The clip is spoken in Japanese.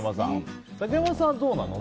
竹山さんはどうなの？